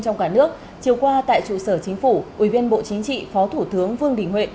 trong cả nước chiều qua tại trụ sở chính phủ quy viên bộ chính trị phó thủ tướng vương đình huệ